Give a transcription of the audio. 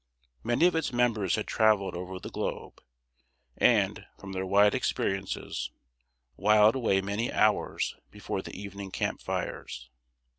Many of its members had traveled over the globe, and, from their wide experiences, whiled away many hours before the evening camp fires.